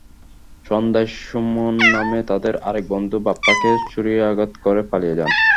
সন্ধ্যায় সুমন নামে তাঁদের আরেক বন্ধু বাপ্পাকে ছুরিকাঘাত করে পালিয়ে যান।